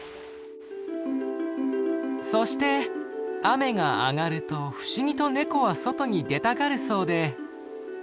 そして雨が上がると不思議とネコは外に出たがるそうで。